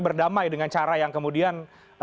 berdamai dengan cara yang kemudian